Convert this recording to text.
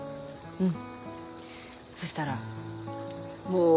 うん。